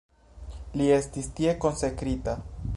Li estis tie konsekrita.